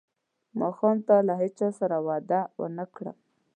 ماښام ته له هیچا سره وعده ونه کړم.